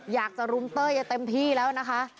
อยากจะรุมเต้ยอย่าเต็มที่แล้วนะคะ